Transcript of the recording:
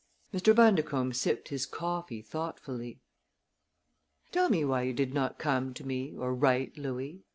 Mr. Bundercombe sipped his coffee thoughtfully. "Tell me why you did not come to me or write, Louis?"